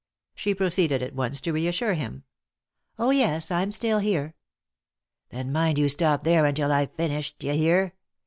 She proceeded at once to reassure him. " Oh, yes, I'm still here." "Then mind you stop there until I've finished— d'ye hear